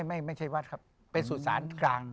ไม่ไม่ใช่วัดครับเป็นสุสานกลาง